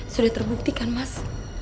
sudah terbukti kan mas